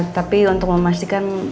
tapi untuk memastikan